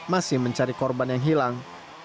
masih mencari korban yang hilang